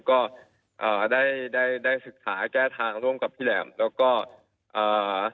ก็อ่าได้ได้ได้ศึกษาแก้ทางร่วมกับพี่แหลมแล้วก็อ่า